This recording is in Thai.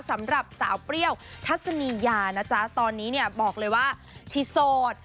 สำหรับสาวเปรี้ยวทัศนียานะจ๊ะตอนนี้เนี่ยบอกเลยว่าชิโสด